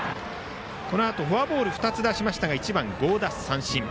このあとフォアボール２つ出しましたが１番、合田を三振。